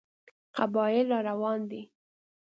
قبایل را روان دي.